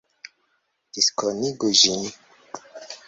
Diskonigu ĝin!